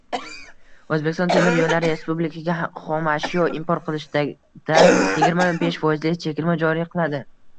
O‘zbekiston temir yo‘llari respublikaga xomashyo import qilishdayigirma beshfoizlik chegirma joriy qiladi